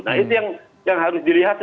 nah itu yang harus dilihat